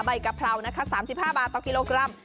ใบกะเพรา๓๕บาทต่อกิโลกรัม